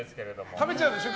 食べちゃうんでしょ？